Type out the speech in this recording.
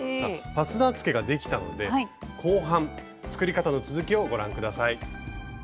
ファスナーつけができたので後半作り方の続きをご覧下さい。